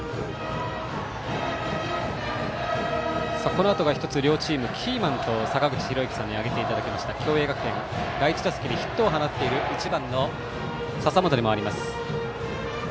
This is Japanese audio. このあとが１つ両チームのキーマンと坂口裕之さんに挙げていただきました共栄学園の第１打席でヒットを放っている１番の笹本に回ります。